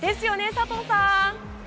佐藤さん。